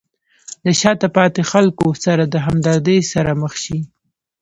د شاته پاتې خلکو سره د همدردۍ سره مخ شئ.